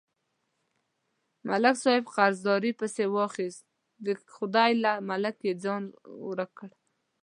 ملک صاحب قرضدارۍ پسې واخیست، د خدای له ملکه یې ځان ورک کړ.